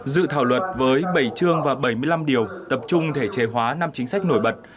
dự thảo luật với bảy chương và bảy mươi năm điều tập trung thể chế hóa năm chính sách nổi bật